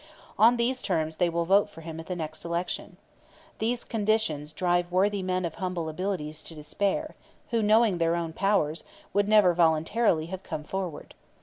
On these terms they will vote for him at the next election. These conditions drive worthy men of humble abilities to despair, who, knowing their own powers, would never voluntarily have come forward.